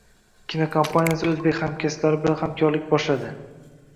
Kinokompaniyasi o'zbek hamkasblari bilan hamkorlik boshladi